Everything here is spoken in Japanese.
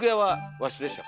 和室でした。